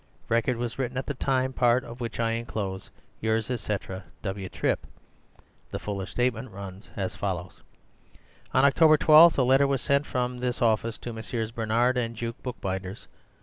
Record was written at the time, part of which I enclose.— Yrs., etc., W. Trip. "The fuller statement runs as follows:— "On October 12 a letter was sent from this office to Messrs. Bernard and Juke, bookbinders.